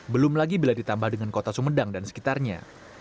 belum lagi bila ditambah dengan kota sumedang dan sekitarnya